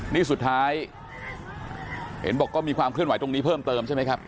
นี่สุดท้ายเห็นบอกก็มีความเคลื่อนไหวตรงนี้เพิ่มเติมใช่ไหมครับ